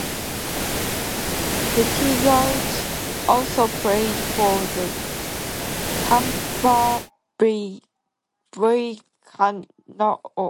Petitgout also played for the Tampa Bay Buccaneers.